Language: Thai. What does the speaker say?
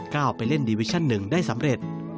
ไปเล่นดีวิชั่นหนึ่งได้สำเร็จ